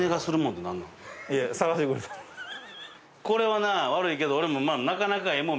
これはな悪いけど俺もなかなかええもん見て。